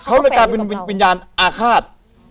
เขาในการเป็นปริญญาณอาฆาต